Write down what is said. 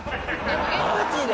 マジで！？